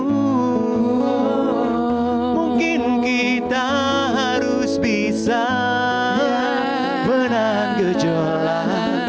hmm mungkin kita harus bisa menang gejolak